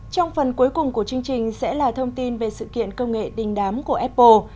trong phần cuối cùng của chương trình sẽ là thông tin về sự kiện công nghệ đình đám của apple